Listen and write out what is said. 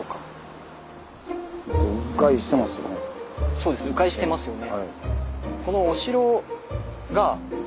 そうですね迂回してますよね。